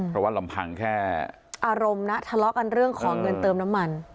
เพราะว่าลำพังแค่อารมณ์นะทะเลาะกันเรื่องของเงินเติมน้ำมัน